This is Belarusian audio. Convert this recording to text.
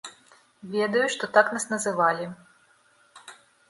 Ведаю, што так нас называлі.